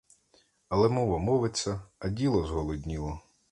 Але мова мовиться, а діло зголодніло.